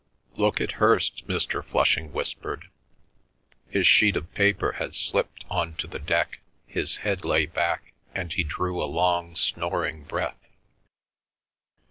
"Look at Hirst!" Mr. Flushing whispered. His sheet of paper had slipped on to the deck, his head lay back, and he drew a long snoring breath.